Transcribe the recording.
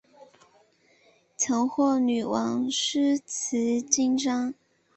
曾获女王诗词金章。